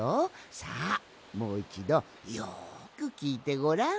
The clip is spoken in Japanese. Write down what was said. さあもういちどよくきいてごらん。